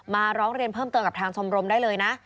ร้องเรียนเพิ่มเติมกับทางชมรมได้เลยนะ